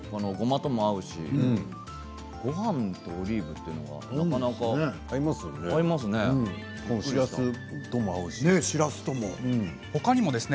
ごまとも合うしごはんとオリーブというのが合いますね。